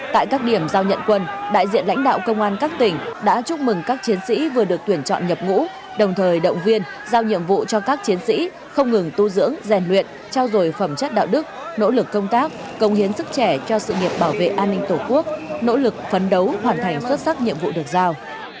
tại các điểm giao nhận quân đại diện lãnh đạo công an các tỉnh đã chúc mừng các chiến sĩ vừa được tuyển chọn nhập ngũ đồng thời động viên giao nhiệm vụ cho các chiến sĩ không ngừng tu dưỡng rèn luyện trao dồi phẩm chất đạo đức nỗ lực công tác công hiến sức trẻ cho sự nghiệp bảo vệ an ninh tổ quốc nỗ lực phấn đấu hoàn thành xuất sắc nhiệm vụ được giao